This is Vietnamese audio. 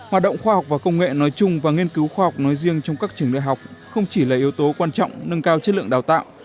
hoạt động khoa học và công nghệ nói chung và nghiên cứu khoa học nói riêng trong các trường đại học không chỉ là yếu tố quan trọng nâng cao chất lượng đào tạo